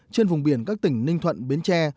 trên vùng biển các tỉnh ninh thuận biến tre